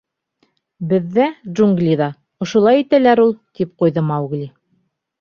— Беҙҙә, джунглиҙа, ошолай итәләр ул! — тип ҡуйҙы Маугли.